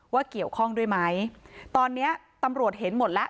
เกี่ยวข้องด้วยไหมตอนเนี้ยตำรวจเห็นหมดแล้ว